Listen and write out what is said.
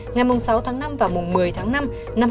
ngày sáu tháng năm và một mươi tháng năm năm hai nghìn hai mươi bốn